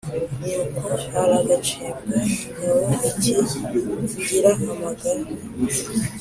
nyoko aragacibwa ingabo iki ngira amagara